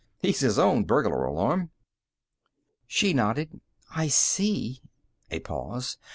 He's his own burglar alarm." She nodded. "I see." A pause.